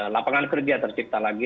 lapangan kerja tercipta lagi